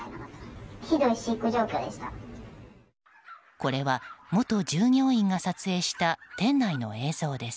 これは、元従業員が撮影した店内の映像です。